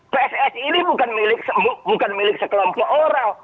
pssi ini bukan milik sekelompok orang